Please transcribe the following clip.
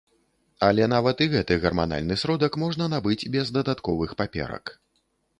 Але нават і гэты гарманальны сродак можна набыць без дадатковых паперак.